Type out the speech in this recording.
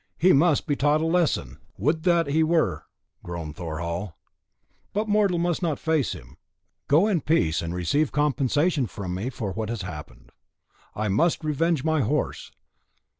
He must be taught a lesson." "Would that he were!" groaned Thorhall; "but mortal must not face him. Go in peace and receive compensation from me for what has happened." "I must revenge my horse."